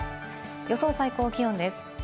予想最高気温です。